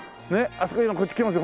あそこ今こっち来ます。